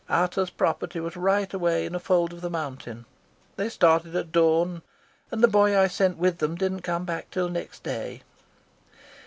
Ata's property was right away in a fold of the mountain. They started at dawn, and the boy I sent with them didn't come back till next day.